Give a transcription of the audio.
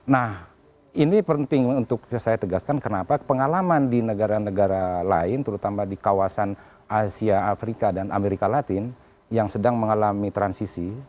nah ini penting untuk saya tegaskan kenapa pengalaman di negara negara lain terutama di kawasan asia afrika dan amerika latin yang sedang mengalami transisi